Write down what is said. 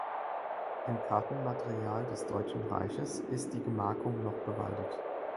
In Kartenmaterial des Deutschen Reiches ist die Gemarkung noch bewaldet.